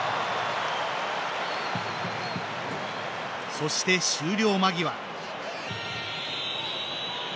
そして、終了間際。